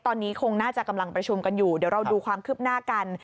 ตอนนี้คงน่าจะกำลังประชุมกันอยู่เดี๋ยวเราดูความคืบหน้ากัน